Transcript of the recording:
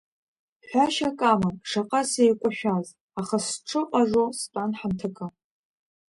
Ҳәашьак амам шаҟа сеикәашәаз, аха сҽыҟажо стәан ҳамҭакы.